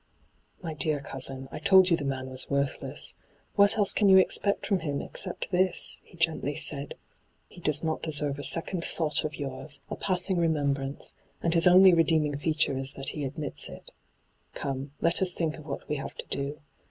' My dear cousin, I told you the man wa« worthless. What else can you expect from him except this ?' he gently said. ' He does not deserve a second thought of yours, a hyGoogIc ENTRAPPED 255 passing remembrance, and his only redeeming feature is that he admits it. Come, let U3 think of what we have to do.